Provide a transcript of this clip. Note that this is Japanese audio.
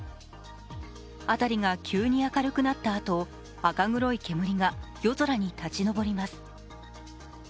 辺りが急に明るくなったあと赤黒い煙が夜空に立ち上ります。